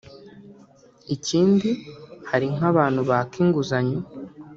Ikindi hari nk’abantu baka inguzanyo